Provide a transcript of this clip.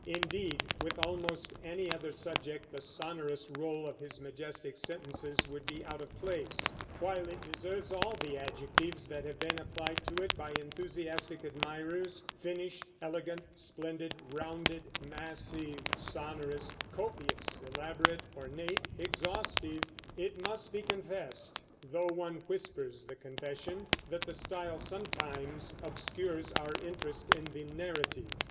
Indeed, with almost any other subject the sonorous roll of his majestic sentences would be out of place. While it deserves all the adjectives that have been applied to it by enthusiastic admirers, finished, elegant, splendid, rounded, massive, sonorous, copious, elaborate, ornate, exhaustive, it must be confessed, though one whispers the confession, that the style sometimes obscures our interest in the narrative.